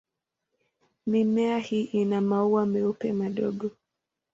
Mimea hii ina maua meupe madogo.